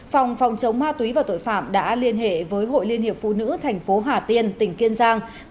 phòng phòng chống ma túy và tội phạm đã liên hệ với hội liên hiệp phụ nữ thành phố hà tiên tỉnh kiên giang